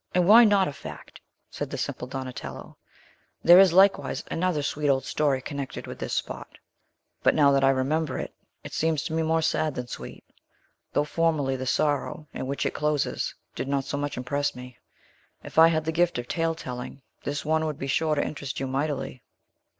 "And why not a fact?" said the simple Donatello. "There is, likewise, another sweet old story connected with this spot. But, now that I remember it, it seems to me more sad than sweet, though formerly the sorrow, in which it closes, did not so much impress me. If I had the gift of tale telling, this one would be sure to interest you mightily."